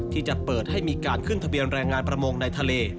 ที่จะเปิดให้มีการขึ้นทะเบียนแรงงานประมงในทะเล